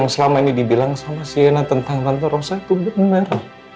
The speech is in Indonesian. selama ini dibilang sama sienna tentang tante rosa itu bener